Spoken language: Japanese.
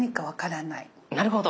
なるほど。